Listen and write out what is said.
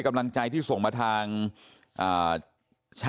ขอบคุณเลยนะฮะคุณแพทองธานิปรบมือขอบคุณเลยนะฮะ